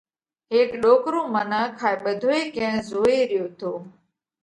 هيڪ ڏوڪرو منک هائي ٻڌوئي ڪئين زوئي ريو تو۔